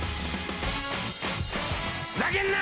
ふざけんな！